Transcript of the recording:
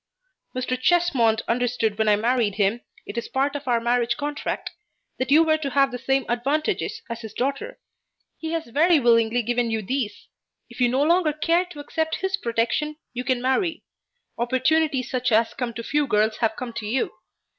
"Mr. Chesmond understood when I married him it is part of our marriage contract that you were to have the same advantages as his daughter. He has very willingly given you these. If you no longer care to accept his protection, you can marry. Opportunities such as come to few girls have come to you.